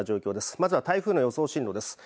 まずは台風の予想進路です。